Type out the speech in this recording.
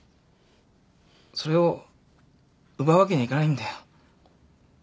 それを奪うわけにはいかないんだよ。